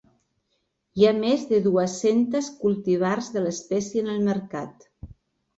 Hi ha més de dues-centes cultivars de l'espècie en el mercat.